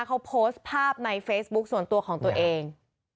เขาโพสต์ภาพในเฟซบุ๊คส่วนตัวของตัวเอง